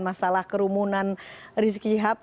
masalah kerumunan rizki cihab